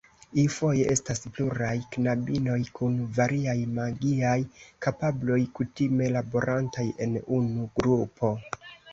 Iufoje estas pluraj knabinoj kun variaj magiaj kapabloj, kutime laborantaj en unu grupo.